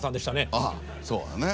ああそうだね。